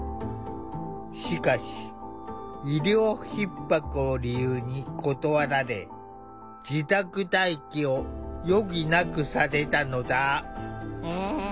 しかし医療ひっ迫を理由に断られ自宅待機を余儀なくされたのだ。